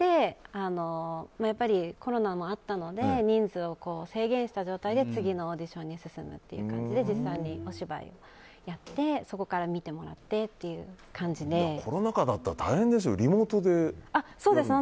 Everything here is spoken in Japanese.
やっぱり、コロナもあったので人数を制限した状態で次のオーディションに進むっていう感じで実際にお芝居をやってそこから見てもらってっていうコロナ禍だったら大変ですよ。